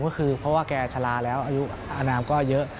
ก็คือเพราะว่าแกชะลาแล้วอายุอนามก็เยอะ